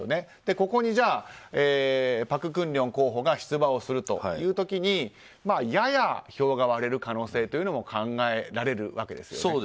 ここに朴槿令候補が出馬するという時にやや票が割れる可能性というのも考えられるわけですよね。